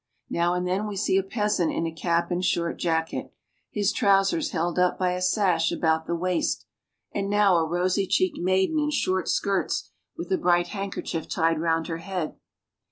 Now and then we see a peasant in a cap and short jacket, his trousers held up by a sash about the waist, and now a rosy cheeked maiden in short skirts, with a bright handkerchief tied round her head.